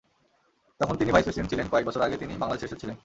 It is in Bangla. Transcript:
তখন তিনি ভাইস প্রেসিডেন্ট ছিলেন, কয়েক বছর আগে তিনি বাংলাদেশে এসেছিলেন।